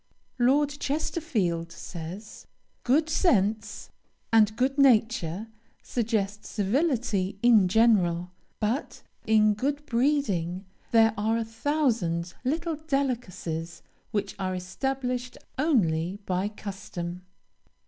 Lord Chesterfield says, "Good sense and good nature suggest civility in general; but in good breeding there are a thousand little delicacies which are established only by custom."